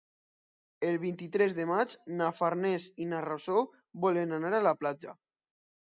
El vint-i-tres de maig na Farners i na Rosó volen anar a la platja.